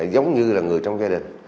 giống như là người trong gia đình